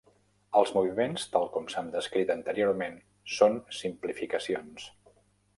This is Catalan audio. Els moviments tal com s'han descrit anteriorment són simplificacions.